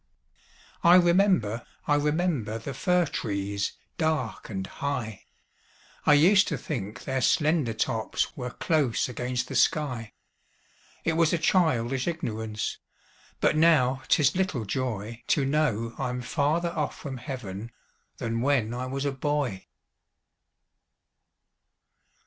I remember, I remember, The fir trees dark and high; I used to think their slender tops Were close against the sky: It was a childish ignorance, But now 'tis little joy To know I'm farther off from Heav'n Than when I was a boy.